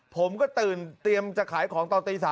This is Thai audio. ผมก็ตื่นเตรียมจะขายของตอนตี๓